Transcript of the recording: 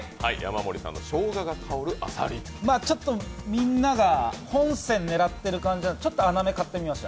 ちょっとみんなが本線狙っている感じなんでちょっと穴目買ってみました。